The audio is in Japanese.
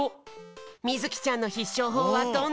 みずきちゃんのひっしょうほうはどんなものか